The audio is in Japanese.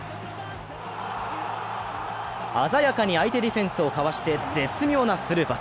鮮やかに相手ディフェンスをかわして、絶妙なスルーパス。